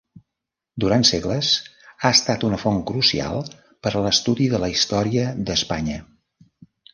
Durant segles ha estat una font crucial per a l'estudi de la història d'Espanya.